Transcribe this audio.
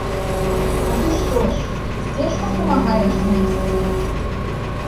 А ты што ж, сцежку памагаеш знайсці?